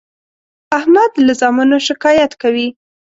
احمد له زامنو شکایت کوي.